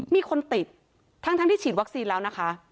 มีคนติดทั้งที่ฉีดวัคซีนแล้วนะคะ